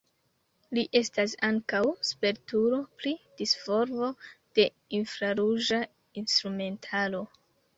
Li estas ankaŭ spertulo pri disvolvo de infraruĝa instrumentaro.